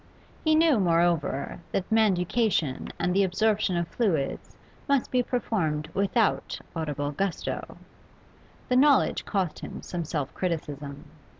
He knew, moreover, that manducation and the absorption of fluids must be performed without audible gusto; the knowledge cost him some self criticism.